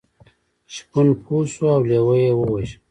شپون پوه شو او لیوه یې وواژه.